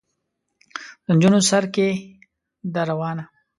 د نجونو سر کې ده روانه.